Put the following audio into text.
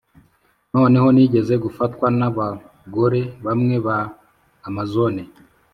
noneho nigeze gufatwa nabagore bamwe ba amazone